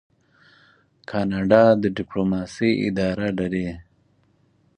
کاناډا د ډیپلوماسۍ اداره لري.